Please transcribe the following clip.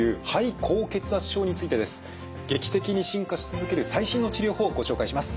劇的に進化し続ける最新の治療法をご紹介します。